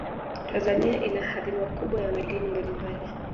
tanzania ina hadhina kubwa ya madini mbalimbali